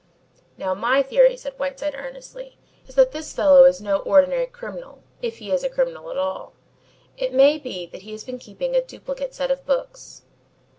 Now my theory," said Whiteside earnestly, "is that this fellow is no ordinary criminal, if he is a criminal at all. It may be that he has been keeping a duplicate set of books."